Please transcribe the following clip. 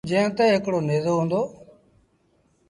جݩهݩ تي هڪڙو نيزو هُݩدو۔